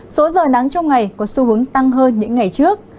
số giờ nắng trong ngày có xu hướng tăng hơn những ngày trước